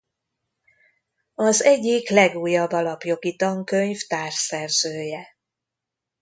Az egyik legújabb alapjogi tankönyv társszerzője.